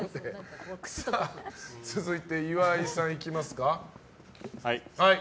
続いて、岩井さんいきますか。